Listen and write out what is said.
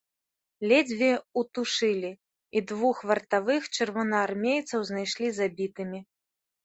Ледзьве ўтушылі, і двух вартавых чырвонаармейцаў знайшлі забітымі.